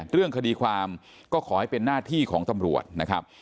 เรื่องคดีความก็ขอให้เป็นหน้าที่ของตำรวจนะครับ